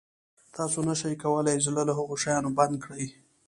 تاسو نه شئ کولای زړه له هغه شیانو بند کړئ.